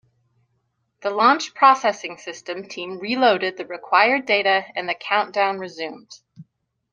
The Launch Processing System team reloaded the required data and the countdown resumed.